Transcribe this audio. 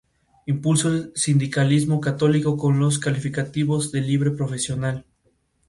Impulsó el sindicalismo católico, con los calificativos de Libre o Profesional.